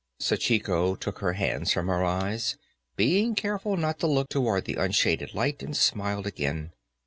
Sachiko took her hands from her eyes, being careful not to look toward the unshaded light, and smiled again.